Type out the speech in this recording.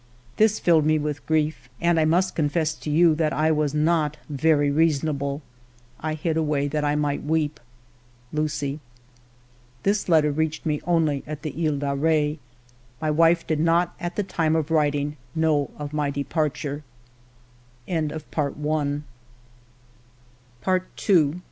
This filled me with grief, and I must confess to you that I was not very reasonable. I hid away that I might weep. Lucie." This letter reached me only at the He de Re ; my wife did not at the time of writing know of my departure.